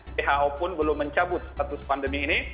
who pun belum mencabut status pandemi ini